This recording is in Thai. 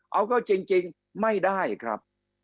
เอาก็จริงไม่ได้ครับ